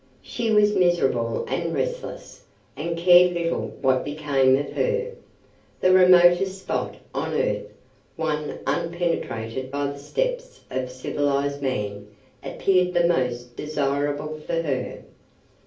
She was miserable and restless, and cared little what became of her. The remotest spot on earth, one unpenetrated by the steps of civilized man, appeared the most desirable for her.